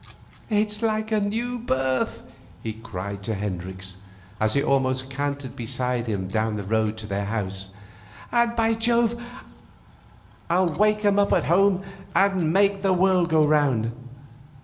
'It's like a new birth,' he cried to Hendricks, as he almost cantered beside him down the road to their house, 'and, by Jove, I'll wake 'em up at home and make the world go round.